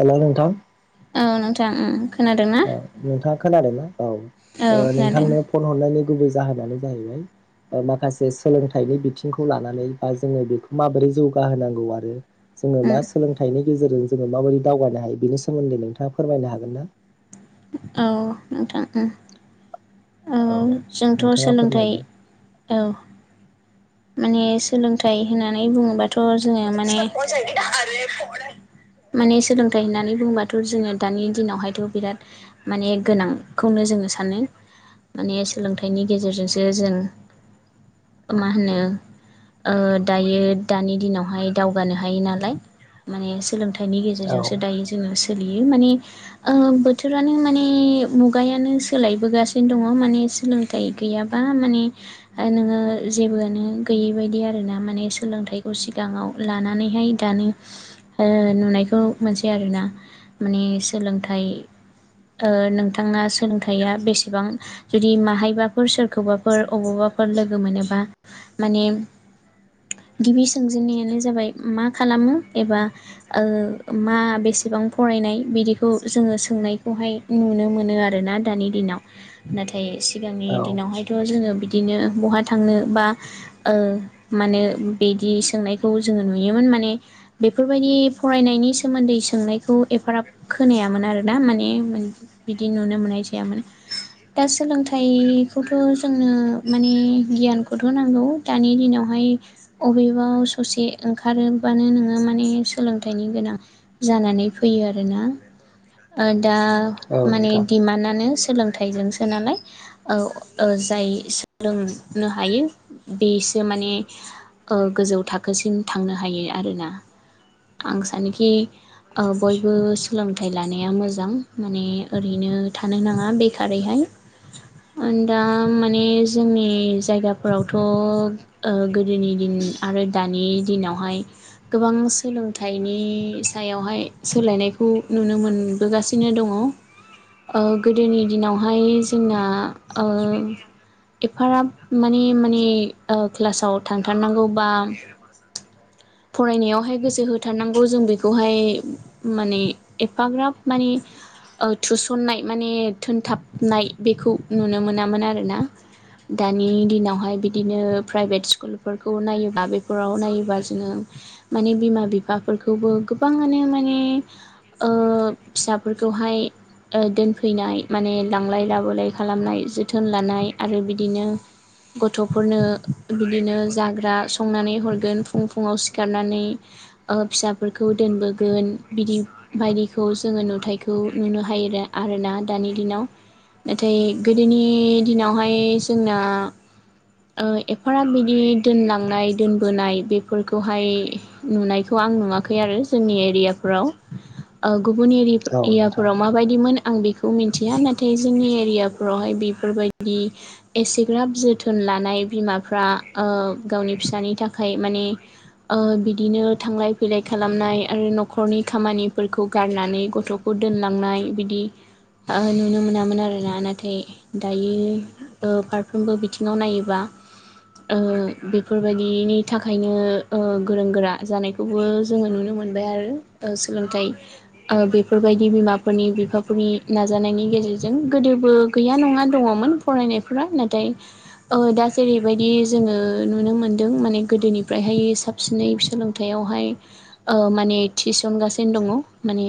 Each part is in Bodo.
हेल' नोंथां औ नोंथां उम खोनादोंना? औ नोंथाङा खोनादोंना औ खोनादों नोंथांनो फन हरनायनि गुबै जाहोनानो जाहैबाय माखासे सोलोंथाइनि बिथिंखौ लानानै बा जोङो बेखौ माबोरै जौगाहोनांगौ आरो जोङो उम मा सोलोंथाइनि गेजेरजों जोङो माबायदि दावगानो हायो बेनि सोमोन्दै नोंथाङा फोरमायनो हागोन ना? औ नोंथां उम। औ औ जोंथ' नोंथाङा सोलोंथाइ फोरमायदो औ माने सोलोंथाइ होननानै बुङोबाथ' जोङो माने माने सोलोंथाइ होननानै बुंबाथ' जोङो दानि दिनावहायथ' बिराद माने गोनांखौनो जोङो सानो माने सोलोंथाइनि गेजेरजोंसो जों मा होनो दायो दानि दिनावहाय दावगानो हायो नालाय माने सोलोंथा थाइनि औ गेजेरजोंसो दायो जोङो सो सोलियो माने ओ बोथोरानो माने मुगायानो सोलायबोगासिनो दङ' माने सोलोंथाइ गैयाबा माने नोङो जेबोआनो गैयै बायदि आरोना माने सोलों थाइखौ सिगाङाव लानानैहाय दानो नुनायखौ मोनसेै आरोना माने सोलोंथाइ नोंथाङा सोलोंथाइया बेसेबां जुदि मा हायबाफोर सोरखौबाफोर अबावबाफोर लोगो मोनोबा माने गिबि सोंजेनन्नायानो जाबाय मा खालामो एबा मा बेसे बां फरायनाय बिदिखौ जोङो सोंनायखौहाय नुनो मोनो आरोना दानि दिनाव नाथाय सिगांनि औ दिनावहायथ' जोङो बिदिनो बहा थांनो बा ओ मानो बिदि सोंनायखौ जोङो नुयोमोन माने बेफोरबायदि फरायनायनि सोमोन्दै सोंनायखौ एफाराब खोनायामोन आरोना माने बिदि नुनो मोननाय जायामोन दा सोलोंथाय थाइखौथ' जोंनो माने गियानखौथ' नांगौ दानि दिनावहाय बबेबाव ससे ओंखारोबानो नोङो माने सोलोंथाइनि गोनां जानानै फैयो आरो आरोना दा औ माने नोंथां डिमान्डआनो सोलोंथाइजोंसो नालाय जाय सोलोंनो हायो बेसो माने गोजौ थाखोसिम थांनो हायो आरोना। आं सानोखि बयबो सोलोंथाइ लानाया मोजां माने ओरैनो थानो नाङा बेखारैहाय [inaudible] दा माने जोंनि जायगाफोरावथ' गोदोनि दिन आरो आरो दानि दिनावहाय गोबां सोलोंथाइनि सायावहाय सोलायनायखौ नुनो मोनबोगासिनो दङ। ओ गोदोनि दिनावहाय जोंना ओ एफाराब माने माने क्लासाव थांथारनांगौ बा [inaudible] फरायनायावहाय गोसो होथारनांगौ जों बेखौहाय माने एफाग्राब माने थुसननाय माने थोनथाबनाय बेखौ नुनो मोनामोन आरोना। दानि दिनावहाय बिदिनो प्राइभेट स्कुलफोरखौ नायोब्ला बेफोराव नायोबा जोङो माने बिमा बिफाफोरखौबो गोबाङानो माने ओ फिसाफोरखौहाय दोनफैनाय माने लांलाय लाब बोलाय खालामनाय जोथोन लानाय आरो बिदिनो गथ'फोरनो बिदिनो जाग्रा संनानै हरगोन फुं फुङाव सिखारनानै फिसाफोरखौ दोनबोगोन बिदि बायदिखौ जोङो नुथायखौ नुनो हायो आरोना दानि दिनाव। नाथाय गोदोनि दिनावहाय जोंना एफाराब बिदि दोनलांनाय दोनबोनाय बेफोरखौहाय नुनायखौ आांं नुवाखै आरो जोंनि एरियाफ्राव। ओ गुबुनि औ नोंथां एरयाफोराव माबायदिमोन आं बेखौ मिथिया नाथाय जोंनि एरियाफ्रावहाय बेफोरबायदि एसेग्राब जोथोन लानाय बिमाफ्रा गावनि फिसानि थाखाय माने बिदिनो थांलाय फैलाय खालामनाय आरो न'खरनि खामानिफोरखौ गारनानै गथ'फोर दोनलांनाय बिदि नुनो मोना मोन आरोना नाथाय दायो फारफ्रोमबो बिथिङाव नायोबा बेफोरबायदिनि थाखायनो गोरों गोरा जानायखौबो जोङो नुनो मो मोनबाय आरो सोलोंथाइ बेफोरबायदि बिमाफोरनि बिफाफोरनि नाजानायनि गेजेर जों गोदोबो गैया नङा दङमोन फरायनायफोरा नाथाय दा जेरैबायदि जोङो नुनो मोनदों माने गोदोनिफ्रायहाय साबसिनै सोलोंथाइयाव यावहाय माने थिसनगासिनो दङ माने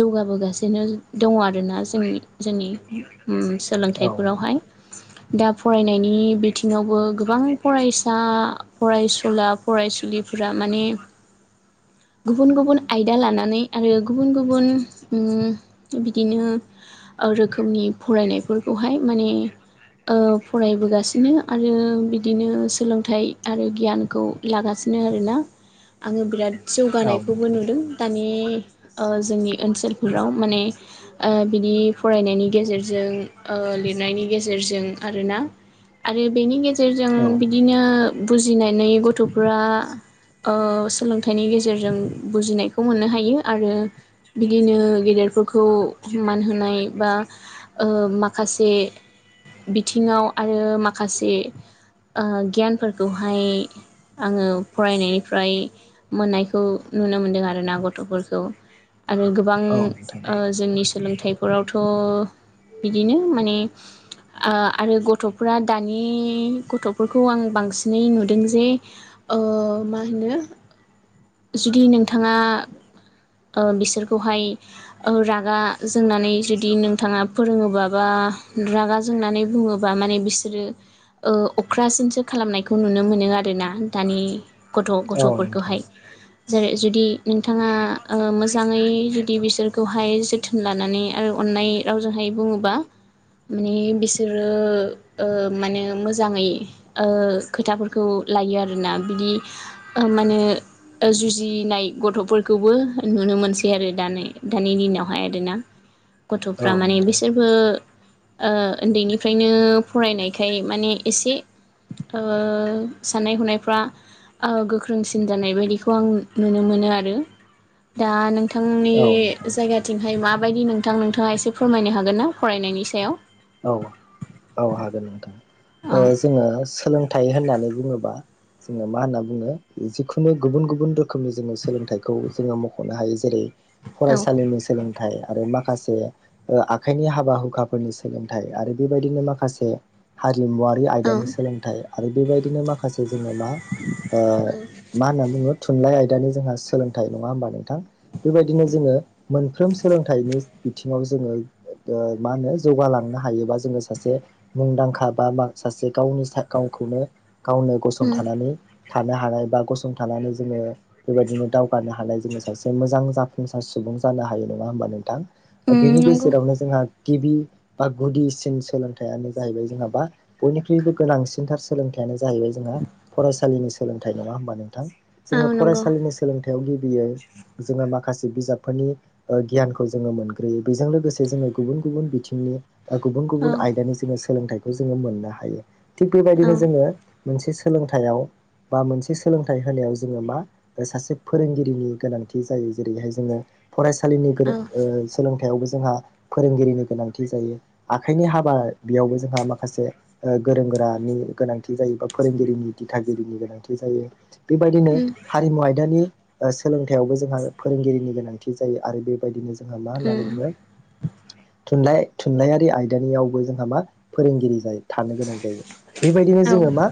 जौगाबोगासिनो द दङ आरोना जोंनि जोंनि औ सोलोंथाइफोरावहाय दा फरायनायनि बिथिङावबो गोबां फरायसा फरायसुला फराय सुलिफोरा माने [inaudible] गुबुन गुबुन आयदा लानानै आरो गुबुन गुबुन बिदिनो रोखोमनि फरायनायफोरखौहाय माने फरायबोगासिनो आरो बिदिनो सोलोंथाइ आरो गियानखौ लागासिन -नो आरोना आङो बिराद औ जौगानायखौबो नोंथां नुदों दानि- -जोंनि ओनसोलफोराव माने बिदि- फरायनायनि गेजेरजों ओ लिरनायनि गेजेरजों आरोना। आरो बेनि गेजेर जेरजों औ नोंथां औ बिदिनो बुजिनानै गथ'फ्रा ओ सोलोंथाइनि गेजेरजों बुजिनायखौ मोननो हायो आरो बिदिनो गेदेरफोरखौ मान होनाय बा ओ माखासे बिथिङाव आरो माखासे गियानफोरखौहाय आङो फरायनायनिफ्राय मोननायखौ नुनो मोनदों आरोना गथ'फोरखौ। आरो गोबां नोंथां जोंनि सोलोंथाइफोरावथ' बिदिनो माने आ आरो गथ'फोरा दानि गथ'फोरखौ आं बांसिनै नुदों जे ओ मा होनो जुदि नोंथाङा ओ बिसोरखौहाय रागा जोंनानै जुद दि नोंथाङा फोरोङोबा बा रागा जोंनानै बुङोबा माने बिसोरो ओ अख्रासिनसो खालामनायखौ नुनो मोनो आरोना दानि गथ' औ नोंथां गथ'फोरखौहाय। जेरै जुदि नोंथाङा मोजाङै जुदि बिसोरखौहाय जोथोन लानानै आरो अननाय रावजोंहाय बुङोबा, माने बिसोरो मानो मोजाङै खोथाफोरखौ लायो आरोना बिदि माने जुजिनाय गथ'फोरखौबो नुनो मोनसै आरो दानि दानि दिनावहाय आरोना। [unintelligible] गथ'फ्रा माने औ बिसोरबो ओ उन्दैनिफ्रायनो फरायनायखाय माने एसे ओ साननाय हनायफ्रा ओ गोख्रोंसिन जानाय बायदिखौ आं नुनो मोनो आरो दा नों थांनि नोंथां जायगाथिंहाय माबायदि नोंथां नोंथाङा एसे फोरमायनो हागोन ना फरायनायनि सायाव। औ औ हागोन नोंथां। ओ जोङो सोलों थाय होननानै बुङोबा जोङो मा होनना बुङो जिखुनु गुबुन गुबुन रोखोमनि जोङो सोलोंथाइखौ जोङो मख'नो हायो जेरै औ फरायसालिनि सोलोंथाइ आरो माखासे आखाइनि हाबा हुखाफोरनि सोलोंथाय, आरो बेबायदिनो माखासे हारिमुवारि औ आयदानि सोलोंथाइ, आरो बेबाय दिनो माखासे जोङो मा, ओ मा होन्ना बुंङो थुनलाय [unintelligible] जोंहा सोलोंथाइ नङा होम्बा नोंथां। बेबायदिनो जोङो मोन सोलोंथाइनि बिथिङाव जोङो ओ मा होनो जौगालांनो हायोबा जोङो सासे मुंदांखा बा मा सासे गावनि गावखौनो गावनो उम गसंथानानै थानो हानाय बा गसंथानानै जोङो बेबायदिनो दाव फानो हानाय जोङो सासे मोजां जाफुंसार सुबुं जानो हायो नङा होमबा नोंथां। उम बेनि नंगौ गेजेरावनो जोंहा गिबि बा गुदिसिन सोलोंथाइानो जाहैबाय जोहा मा बयनिख्रुइबो गोनांसिनथार सोलोंथाइानो जाहैबाय जोंहा फरायसालिनि सोलोंथाइ नङा होम्बा नोंथां। औ जोङो नंगौ फरायसालिनि सोलों हा गिबियाव जोङो माखासे बिजाबफोरनि गियानखौ जोङो मोनग्रोयो। बेजों लोगोसे जोङो गुबुन गुबुन बिथिं गुबुन औ गुबुन आयदानि जोङो सोलोंथाइखौ जोङो मोननो हायो। थिग औ बेबायदिनो जोङो मोनसे सोलोंथाइयाव बा मोनसे सोलोंथाइ होनायाव जोङो मा सासे फोरोंगिरिनि गोनांथि जायो। जेरैहाय जोङो फरायसालिनि औ सोलोंथाइयावबो जोंहा फोरोंगिरिनि गोनां थि जायो। आखाइनि हाबा बेयावबो जोंहा माखासे गोरों गोरानि गोनांथि जायो बा फोरोंगिरिनि दिथागिरिनि गोनांथि जायो। बेबायदिनो उम हारिमु आयदानि सोलोंथाइयावबो जोंहा फोरोंगिरिनि गोनांथि जायो आरो बेबायदिनो जों जोंहा मा होननानै उम बुङो, थुनलाइ थुनलाइयारि आयदानियावबो जोंहा मा फोरोंगिरि जायो। थानो गोनां जायो बेबायदिनो औ उम औ जोङो ओ मा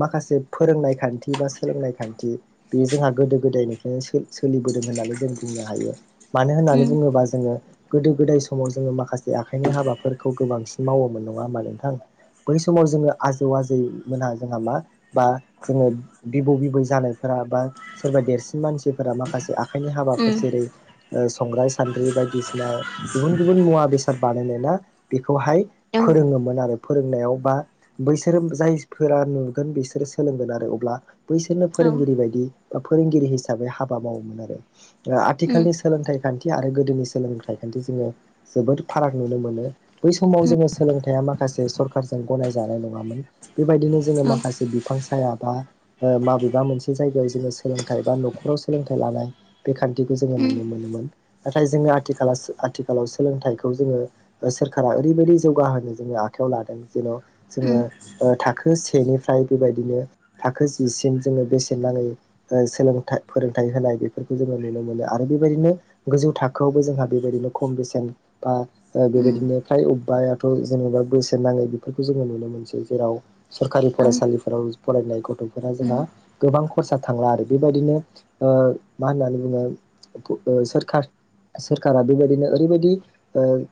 माखास बे फोरोंनाय खान्थि बा सोलोंनाय खान्थि बे जोंहा गोदो गोदायनिफ्रायनो सो-सोलिबोदों होननानै जों बुंनो हायो मानो उम औ होननानै उम बुङोबा जोङो गोदो गोदाय समाव जोङो माखासे बे आखाइनि हाबाफोरखौ गोबांसिन मावोमोन नङा होमबा नोंथां? बै समाव जोङो आजेव आजै मोनहा जोंहा मा बा जोङो बिबौ बिबै जानायफ्रा बा सोरबा देरसिन मानसिफोरा माखासे आ खाइनि उम उम औ उम हाबाफोर जेरै ओ संग्राय सान्द्रि बायदिसिना गुबुन गुबुन मुवा बेसाद बानायनाय ना बेखौहाय उम फोरोङोमोन आरो। फोरोंनायाव बा बैसोरो जायफोरा नुगोन बिसोरो सोलोंगोन आरो अब्ला बैसोरनो फोरोंगिरि उम बायदि फोरोंगिरि हिसाबै हाबा मावोमोन आरो। आथिखालनि सोलोंथाइ खान्थि आरो गोदोनि सोलोंथाइ खान्थि जोङो जोबोद फाराग नुनो मोनो बै समाव जोङो सोलोंथाइया माखासे सरखारजों गनायजानाय नङामोन। बेबायदिनो जोङो माखासे बिफां हाया बा ओ माबेबा मोनसे जायगायाव जोङो सोलोंथाइ बा न'खराव सोलोंथाइ लानाय बे खान्थि जोङो नुनो मोनोमोन नाथाय जोङो आथिखालासो आथिखालाव सोलोंथायखो खौ जोङो सोरखारा ओरैबायदि जौगाहोनो जोङो आखायाव लादों जेन' जोङो ओ थाख खो सेनिफ्राय बेबायदिनो थाखो जिसिम जोङो बेसेन नाङै ओ सोलोंथा फोरोंथाय नै होनाय बेफोरखौ जोङो नुनो मोनो आरो बेबायदिनो गोजौ थाखोआवबो जोंहा बेबायदिनो खम बेसेन बा ओ उम बेबायदिनो फ्राय अबेबायाथ' जेनेबा बोसेन नाङै बेफोरखौ जोङो नुनो मोनसै जेराव सरकारि फरायसालिफोराव फरायनाय गथ'फोरा जोंहा गोबां खरसा थांला आरो बेबायदिनो ओ मा होननानै बुङो ओ सोरखार सोरखारा बेबायदिनो ओरैबायदि ओ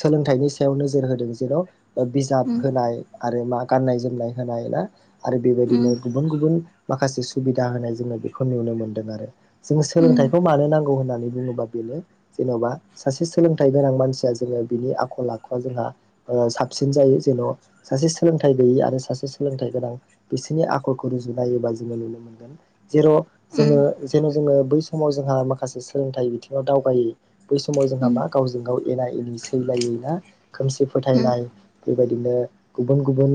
सोलोंथाइनि सायाव नोजोर होदों जेन' बिजाब होनाय आरो मा गाननाय जोमनाय होनाय ना आरो बेबायदिनो गुबुन गुबुन माखासे सुबिदा होनाय जोङो बेखौ नुनो मोनदों आरो जों उम सोलोंथाइखौ मानो नांगौ होनना नै बुङोबा बेनो जेन'बा सासे सोलों थाय गोनां मानसिया जोङो बिनि आखल आखुआ जोंहा ओ साबसिन जायो जेन' सासे सोलोंथाइ गैयै आरो सासे सोलोंथाइ गोनां बिसोरनि आखलखौ रुजुनायोबा जोङो नुनो मोनगोन जेर' जोङो जेन' जोङो बै समाव जोंहा माखासे सोलोंथाइ बिथिङाव दावगायो। बै समाव जोंहा मा गावजों गाव एना एनि सैलायै ना खोमसि फोथायनाय बेबायदिनो गुबुन गुबुन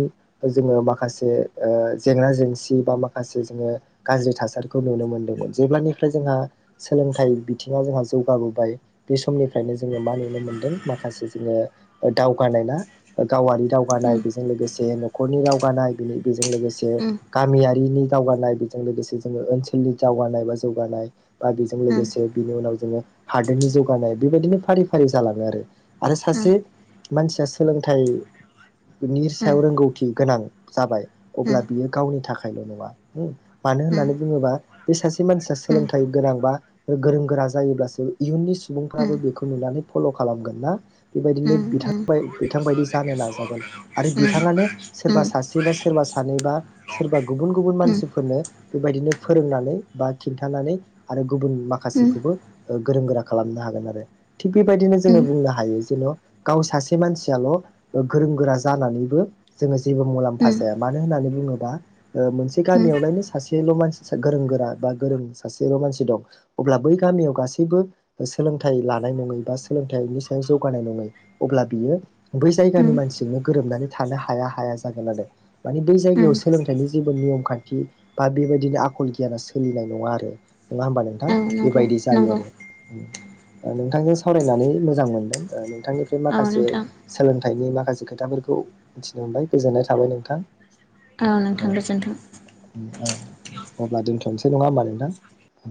जोङो माखासे ओ जेंना जेंसि बा माखासे जोङो गाज्रि थासारिखौ नुनो मोनदोंमोन जेब्लानिफ्राय जोंहा सोलोंथाइ बिथिङा जोंहा जौगाबो बाय बे समनि फ्राय जोङो मा नुनो मोनदों माखासे जोङो दावगानायना गावारि दावगानाय बेजों लोगोसे न'खरनि रावगानाय बेनि बेजों लोगोसे गामियारिनि दावगानाय बेजों लोगोसे जोङो ओनसोलनि दावगानाय बा जौगानाय बा बेजों लोगोसे बिनि उनाव जोङो हादोरनि जौगानाय बेबायदिनो फारि फारि जालाङो आरो। आरो सासे मानसिया सोलोंथाइनि सायाव रोंगौथि गोनां जाबाय अब्ला बियो गावनि थाखायल' नङा मानो होननानै बुङोबा बे सासे मानसिया सोलोंथाइ गोनांबा गोरों गोरा जायोब्लासो इयुननि सुबुंफ्राबो उम बेखौ नुनानै फल' खालामगोन ना। बेबायदिनो उम बिथांबाय बिथांबायदि जानो नाजागोन आरो बिथाङानो सोरबा उम सासे बा सोरबा सानैबा सोरबा गुबुन गुबुन उम उम मानसिफोरनो बेबायदिनो फोरोंनानै बा खिन्थानानै आरो गुबुन उम माखासेखौबो ओ गोरों गोरा खालामनो हाग गोन आरो थि बेबायदिनो जोङो उम बुंनो हायो जेन' गाव सासे मानसियाल' गोरों गोरा जा नानैबो जोङो जेबो मुलाम्फा जाया मानो होननानै बुङोबा ओ मोनसे उम उम गामियावनो सासेल' अ मानसिसो गोरों गोरा बा गोरों सासेल' मानसि दं अब्ला बै गामियाव गासैबो सो सोलोंथाइ लानाय नङै बा सोलोंथाइनि सायाव जौगानाय नङै अब्ला बियो बै जायगानि उम मानसिजोंनो गोरोबनानै थानो हाया हाया जागोन आरो मानि बै जायगायाव सोलोंथाइनि जेबो निअमखान्थि बा बेबायदिनो आखल गियाना सोलिनाय नङा आरो नङा होमबा नों थां औ नंगौ बेबायदि जायो नंगौ आरो नोंथांजों सावरायनानै मोजां मोनदों ओ थांनिफ्राय औ माखासे नोंथां सोलोंथाइनि माखा खासे खोथाफोरखौ मिथिनो मोनबाय गोजोननाय थाबाय नोंथां। औ नोंथांग गोजोनथों। औ अब्ला दोनथनोसै नङा होमबा नोंथां औ।